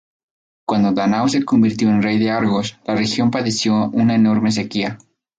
Cuando Dánao se convirtió en rey de Argos, la región padeció una enorme sequía.